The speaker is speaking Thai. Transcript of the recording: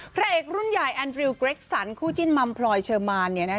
พระเอกรุ่นใหญ่แอนดริวเกร็กสันคู่จิ้นมัมพลอยเชอร์มาน